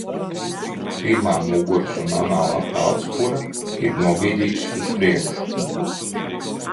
Pirmā muguras un anālā peldspura ir nobīdītas uz priekšu.